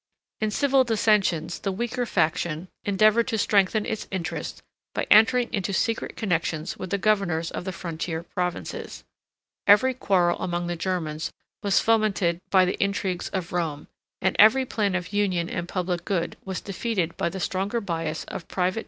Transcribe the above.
In civil dissensions the weaker faction endeavored to strengthen its interest by entering into secret connections with the governors of the frontier provinces. Every quarrel among the Germans was fomented by the intrigues of Rome; and every plan of union and public good was defeated by the stronger bias of private jealousy and interest.